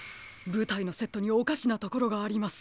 ぶたいのセットにおかしなところがあります。